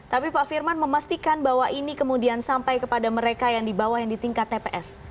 tapi pak firman memastikan bahwa ini kemudian sampai kepada mereka yang di bawah yang di tingkat tps